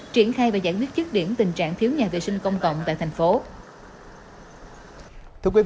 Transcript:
triển khai và giải quyết chức điểm tình trạng thiếu nhà vệ sinh công cộng tại thành phố